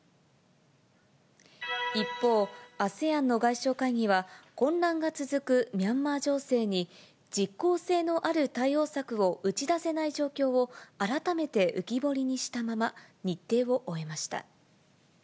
一方、ＡＳＥＡＮの外相会議は、混乱が続くミャンマー情勢に、実効性のある対応策を打ち出せない状況を改めて浮き彫りにしたまま、日程を終えました。